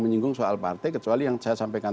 menyinggung soal partai kecuali yang saya sampaikan